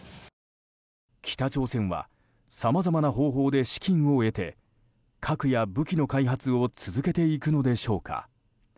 北朝鮮はさまざまな方法で資金を得て核や武器の開発を続けていくのでしょうか。